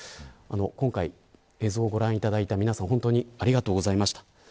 今回、映像をご覧いただいた皆さん本当にありがとうございました。